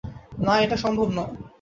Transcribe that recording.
না, এটা সম্ভব নয়।